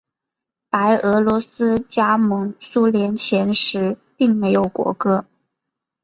白俄罗斯加盟苏联前时并没有国歌。